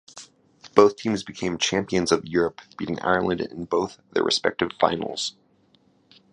Both teams became champions of Europe beating Ireland in both their respective finals.